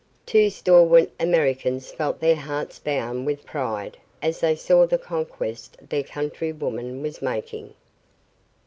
Two stalwart Americans felt their hearts bound with pride as they saw the conquest their countrywoman was making.